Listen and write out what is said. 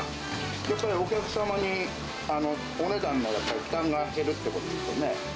やっぱりお客様に、お値段のやっぱり負担が減るっていうことですよね。